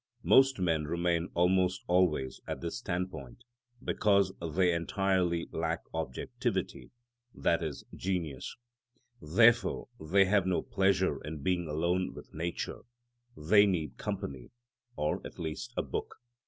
Most men remain almost always at this standpoint because they entirely lack objectivity, i.e., genius. Therefore they have no pleasure in being alone with nature; they need company, or at least a book.